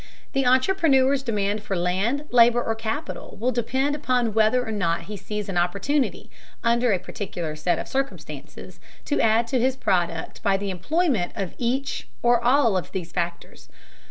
The entrepreneur's demand for land, labor, or capital will depend upon whether or not he sees an opportunity, under a particular set of circumstances, to add to his product by the employment of each or all of these factors.